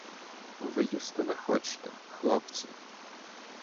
— Ви їсти не хочете, хлопці?